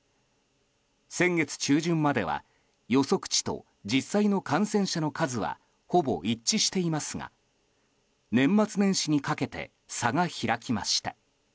先月中旬までは予測値と実際の感染者の数はほぼ一致していますが年末年始にかけて差が開きました。